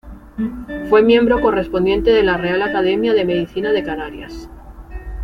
Fue miembro correspondiente de la Real Academia de Medicina de Canarias.